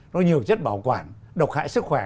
nó nhiều chất bảo quản độc hại sức khỏe